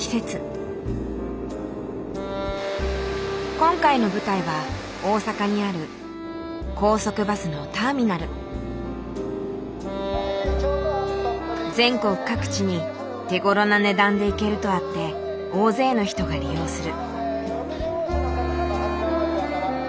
今回の舞台は大阪にある全国各地に手ごろな値段で行けるとあって大勢の人が利用する。